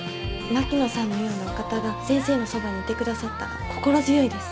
槙野さんのようなお方が先生のそばにいてくださったら心強いです。